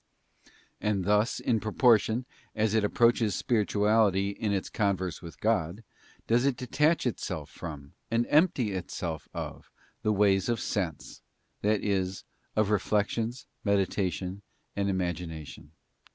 And thus in proportion as it approaches spirituality in its converse with God, does it detach itself from, and empty itself of, the ways of sense, that is, of reflections, meditation, and imagination.